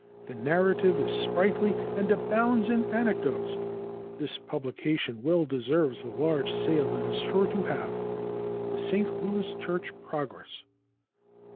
The narrative is sprightly and abounds in anecdotes. This publication well deserves the large sale it is sure to have. The (St. Louis) Church Progress.